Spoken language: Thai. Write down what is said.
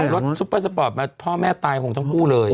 รถซุปเปอร์สปอร์ตมาพ่อแม่ตายคงทั้งคู่เลย